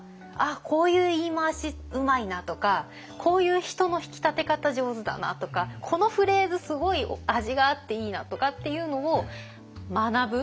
あこういう言い回しうまいな！とかこういう人の引き立て方上手だなとかこのフレーズすごい味があっていいなとかっていうのを学ぶ。